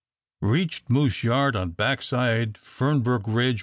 Reached moose yard on back side Fern Brook Ridge 1.